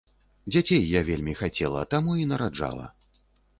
Дзяцей я вельмі хацела, таму і нараджала.